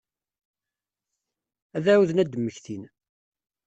Ad ɛawden ad d-mmektin.